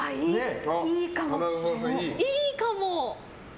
いいかも。